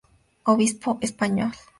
Obispo español.